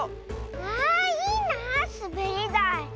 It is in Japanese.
あいいなあすべりだい。